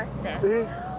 えっ！